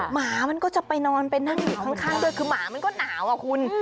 หมามันก็จะไปนอนไปนั่งอยู่ข้างด้วยคือหมามันก็หนาวอ่ะคุณ